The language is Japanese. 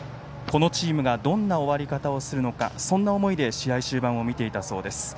このチームがどんな終わり方をするのかそんな思いで、試合終盤を見ていたそうです。